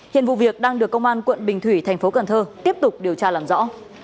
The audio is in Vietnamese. hiện vụ việc đang được công an quận bình thủy tp cn tiếp tục điều tra làm rõ